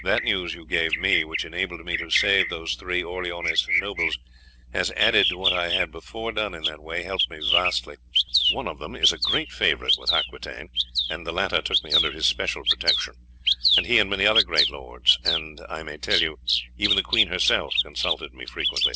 That news you gave me, which enabled me to save those three Orleanist nobles, has, added to what I had before done in that way, helped me vastly. One of them is a great favourite with Aquitaine, and the latter took me under his special protection; and he and many other great lords, and I may tell you even the queen herself, consult me frequently.